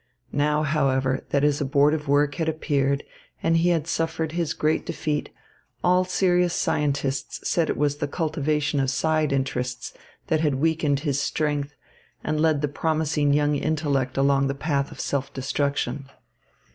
Now, however, that his abortive work had appeared and he had suffered his great defeat, all serious scientists said it was the cultivation of side interests that had weakened his strength and led the promising young intellect along the path of self destruction.